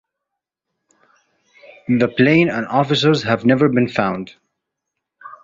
The plane and officers have never been found.